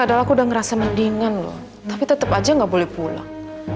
aku sudah merasa mendingan tapi tetap aja nggak boleh pulang